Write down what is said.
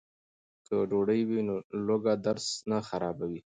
که ډوډۍ وي نو لوږه درس نه خرابوي.